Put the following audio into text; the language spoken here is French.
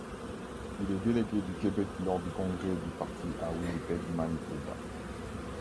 Il est délégué du Québec lors du congrès du parti à Winnipeg, Manitoba.